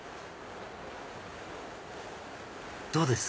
どうです？